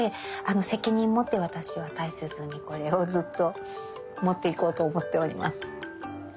責任持って私は大切にこれをずっと持っていこうと思っております。